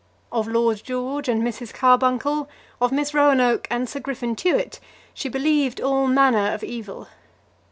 Of Lord George and Mrs. Carbuncle, of Miss Roanoke and Sir Griffin Tewett, she believed all manner of evil.